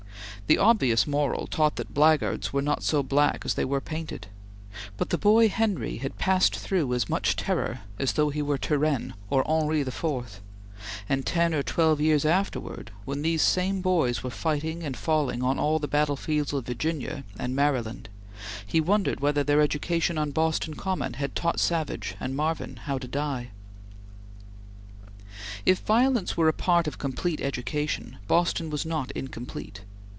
The obvious moral taught that blackguards were not so black as they were painted; but the boy Henry had passed through as much terror as though he were Turenne or Henri IV, and ten or twelve years afterwards when these same boys were fighting and falling on all the battle fields of Virginia and Maryland, he wondered whether their education on Boston Common had taught Savage and Marvin how to die. If violence were a part of complete education, Boston was not incomplete.